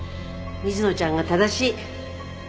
水野ちゃんが正しい。